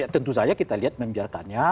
tentu saja kita lihat membiarkannya